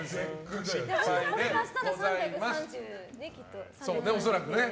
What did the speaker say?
足したら３３０ね。